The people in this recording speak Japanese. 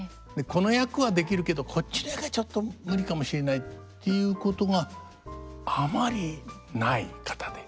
この役はできるけどこっちの役はちょっと無理かもしれないということがあまりない方で。